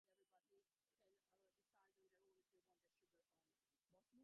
কবিতার ছন্দের জোর যত, তার গলায় ছিল জোর চার গুণ বেশি।